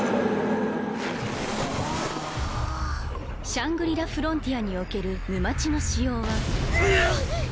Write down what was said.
「シャングリラ・フロンティア」における沼地の仕様はうっ！